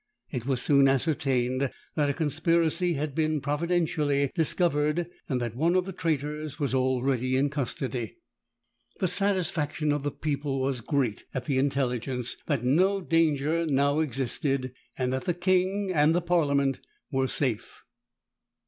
It was soon ascertained, that a conspiracy had been providentially discovered, and that one of the traitors was already in custody. The satisfaction of the people was great at the intelligence, that no danger now existed, and that the king and the parliament were safe.